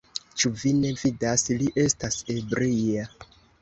Ĉu vi ne vidas, li estas ebria.